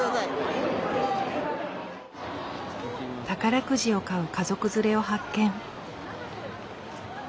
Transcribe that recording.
宝くじを買う家族連れを発見。